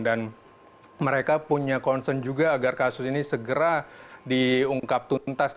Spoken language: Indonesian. dan mereka punya concern juga agar kasus ini segera diungkap tuntas